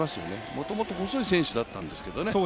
もともと細い選手だったんですけどね。